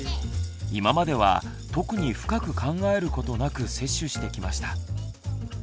今までは特に深く考えることなく接種してきました。